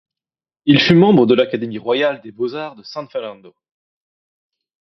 Il fut membre de l’Académie royale des beaux-arts de San Fernando.